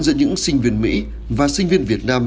giữa những sinh viên mỹ và sinh viên việt nam